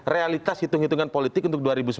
realitas hitung hitungan politik untuk